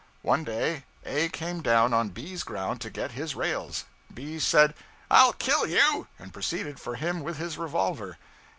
One day, A came down on B's ground to get his rails. B said, 'I'll kill you!' and proceeded for him with his revolver.